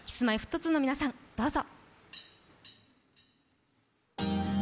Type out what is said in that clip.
Ｋｉｓ−Ｍｙ−Ｆｔ２の皆さん、どうぞ。